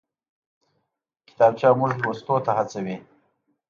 کتابچه موږ لوستو ته هڅوي